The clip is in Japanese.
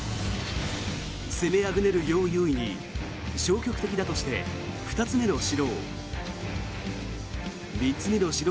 攻めあぐねるヨウ・ユウイに消極的だとして２つ目の指導。